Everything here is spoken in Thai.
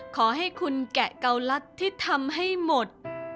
ขอให้คุณแกะเกาลัดที่ทำให้หมด